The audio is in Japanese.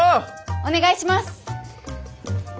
お願いします！